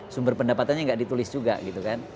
sumber pendapatannya nggak ditulis juga gitu kan